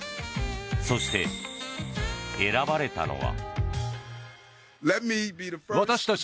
そして、選ばれたのは。